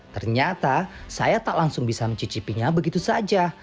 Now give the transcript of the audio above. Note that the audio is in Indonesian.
ternyata saya tak langsung bisa mencicipinya begitu saja